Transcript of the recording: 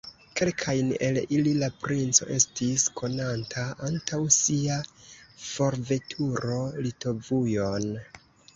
Kelkajn el ili la princo estis konanta antaŭ sia forveturo Litovujon.